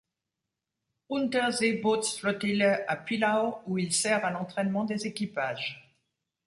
Unterseebootsflottille à Pillau où il sert à l'entrainement des équipages.